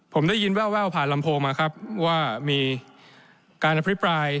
ผมได้ยินแววผ่านลำโพงมาครับว่ามีการอภิปราย